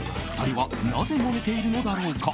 ２人はなぜもめているのだろうか。